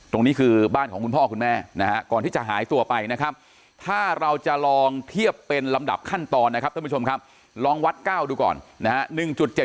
ตรงนี้คือบ้านของคุณพ่อคุณแม่นะฮะก่อนที่จะหายตัวไปนะครับถ้าเราจะลองเทียบเป็นลำดับขั้นตอนนะครับท่านผู้ชมครับลองวัด๙ดูก่อนนะฮะ